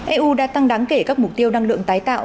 eu đã tăng đáng kể các mục tiêu năng lượng tái tạo